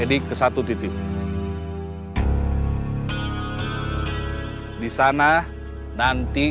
kita kumpul di belakang